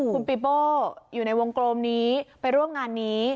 คุณปีโป้อยู่ในวงกลมนี้ไปร่วมงานนี้